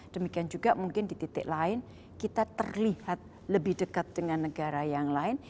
demikian juga mungkin di titik lain kita terlihat lebih dekat dengan negara yang lain